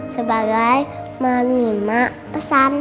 sebagai menimak pesan